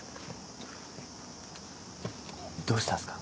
どうしたんすか？